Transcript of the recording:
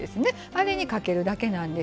あれにかけるだけなんです。